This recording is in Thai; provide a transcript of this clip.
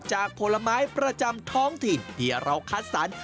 จากพลไม้ประจำท้องถิ่นเฮียราวคัตสรร